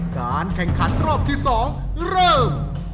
การแข่งขันรอบที่๒เริ่ม